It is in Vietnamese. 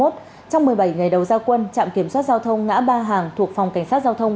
trong một mươi bảy ngày đầu giao quân trạm kiểm soát giao thông ngã ba hàng thuộc phòng cảnh sát giao thông